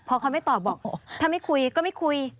พอเขาไม่ตอบบอกถ้าไม่คุยก็ไม่คุย